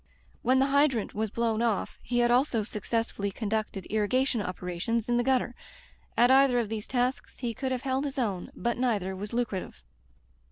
When the hydrant was blown off, he had also successfully conducted irrigation operations in the gutter. At either of these tasks he could have held his own, but neither was lucrative.